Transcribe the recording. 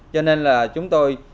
cho nên là chúng tôi